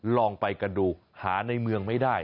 ลองไปกันดูหาในเมืองไม่ได้